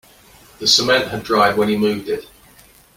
The cement had dried when he moved it.